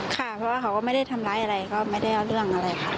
ค่ะเพราะว่าเขาก็ไม่ได้ทำร้ายอะไรก็ไม่ได้เอาเรื่องอะไรค่ะ